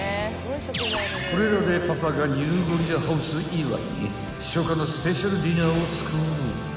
［これらでパパがニューゴリラハウス祝いに初夏のスペシャルディナーを作る］